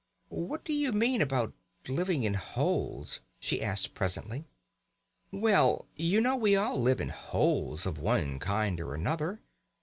"What do you mean about living in holes?" she asked presently. "Well, you know, we all live in holes of one kind or another.